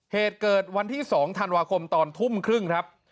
เหตุเกิดวันที่๒ธันวาคมตอนทุ่มครึ่งครับ